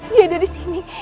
dia ada di sini